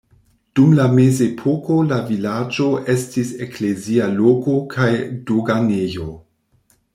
Dum la mezepoko la vilaĝo estis eklezia loko kaj doganejo.